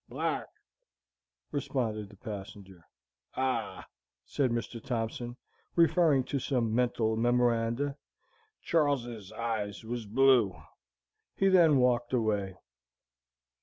"Black," responded the passenger. "Ah," said Mr. Thompson, referring to some mental memoranda, "Char les's eyes was blue." He then walked away.